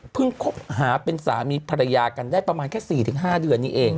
คบหาเป็นสามีภรรยากันได้ประมาณแค่๔๕เดือนนี้เอง